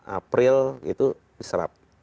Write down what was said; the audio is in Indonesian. april itu diserap